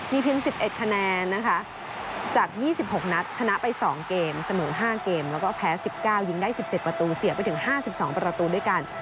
เพียง๑๑คะแนนนะคะจาก๒๖นัดชนะไป๒เกมเสมอ๕เกมแล้วก็แพ้๑๙ยิงได้๑๗ประตูเสียไปถึง๕๒ประตูด้วยกัน